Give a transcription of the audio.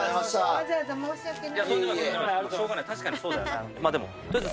わざわざ申し訳ない。